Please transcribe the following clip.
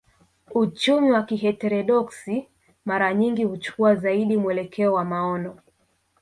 Uchumi wa kiheterodoksi mara nyingi huchukua zaidi mwelekeo wa maono